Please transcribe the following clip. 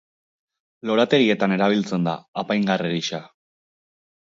Lorategietan erabiltzen da, apaingarri gisa.